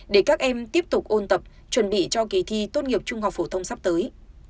để các em tiếp tục ôn tập chuẩn bị cho kỳ thi tốt nghiệp trung học phổ thông sắp tới